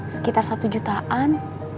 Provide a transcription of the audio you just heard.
sekitar satu jutaan